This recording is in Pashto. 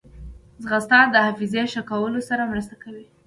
ځغاسته د حافظې ښه کولو سره مرسته کوي